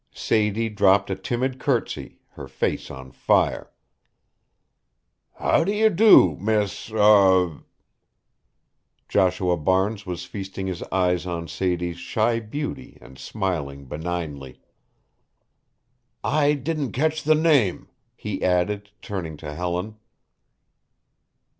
Sadie dropped a timid courtesy, her face on fire. "How do you do, Miss er" Joshua Barnes was feasting his eyes on Sadie's shy beauty and smiling benignly. "I didn't catch the name," he added, turning to Helen.